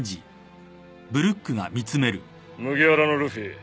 麦わらのルフィ。